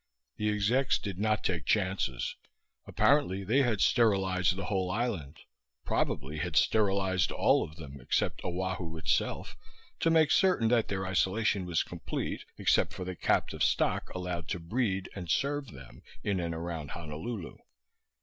The execs did not take chances; apparently they had sterilized the whole island probably had sterilized all of them except Oahu itself, to make certain that their isolation was complete, except for the captive stock allowed to breed and serve them in and around Honolulu.